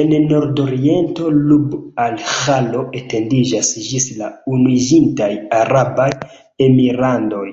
En nordoriento Rub-al-Ĥalo etendiĝas ĝis la Unuiĝintaj Arabaj Emirlandoj.